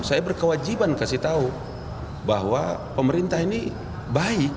saya berkewajiban kasih tahu bahwa pemerintah ini baik